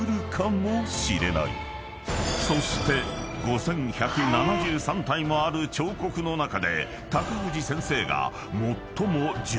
［そして５，１７３体もある彫刻の中で高藤先生が］